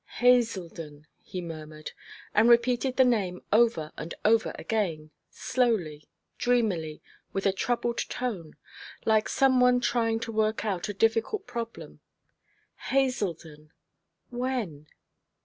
'Haselden,' he murmured, and repeated the name over and over again, slowly, dreamily, with a troubled tone, like some one trying to work out a difficult problem. 'Haselden when?